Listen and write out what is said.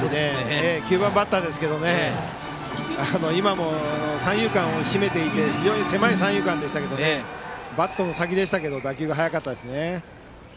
９番バッターですけど今も三遊間を締めていて非常に狭い三遊間でしたがバットの先でしたが打球が速かったですね。